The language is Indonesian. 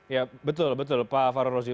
ya betul betul pak farouk ruzi